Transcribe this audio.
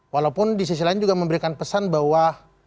walaupun di sisi lain juga memberikan pesan bahwa